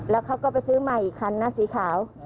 แล้วเขาก็ไปซื้อใหม่อีกคันนะสีขาว